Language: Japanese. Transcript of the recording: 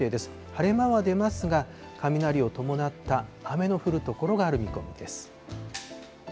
晴れ間は出ますが、雷を伴った雨の降る所がある見込みです。